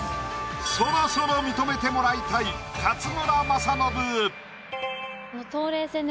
そろそろ認めてもらいたい冬麗戦で。